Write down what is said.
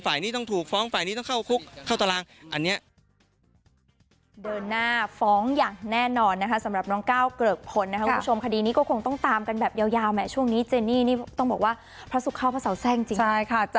นี้ต้องถูกฟ้องฝ่ายนี้ต้องเข้าคุกเข้าตารางอันนี้